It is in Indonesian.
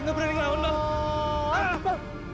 gak berani ngelawan lu